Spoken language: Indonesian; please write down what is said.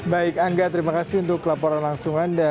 baik angga terima kasih untuk laporan langsung anda